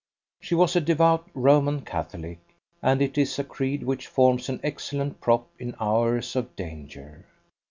She was a devout Roman Catholic, and it is a creed which forms an excellent prop in hours of danger.